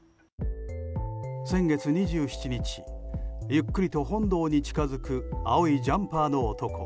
先月２７日ゆっくりと本堂に近づく青いジャンパーの男。